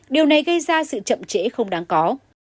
điều này gây ra sự chậm trễ không đáng có